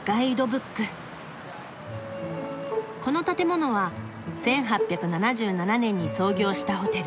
「この建物は１８７７年に創業したホテル。